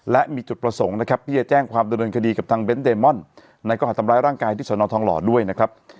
และมีจุดประสงค์นะครับที่จะแจ้งความดำเนินคดีกับทางเน้นเดมอนในข้อหาทำร้ายร่างกายที่สนทองหล่อด้วยนะครับ